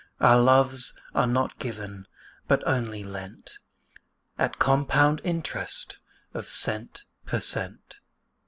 Our loves are not given, but only lent, At compound interest of cent per cent.